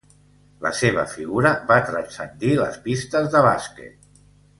La seva figura va transcendir les pistes de bàsquet.